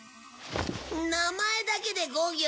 名前だけで５行。